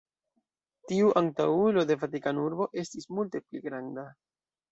Tiu antaŭulo de Vatikanurbo estis multe pli granda.